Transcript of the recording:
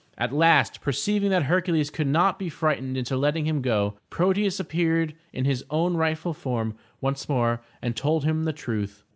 At last perceiving that Hercules could not be frightened into letting him go, Proteus appeared in his own rightful form once more and told him the truth.